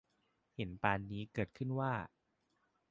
เห็นปานนี้เกิดขึ้นว่า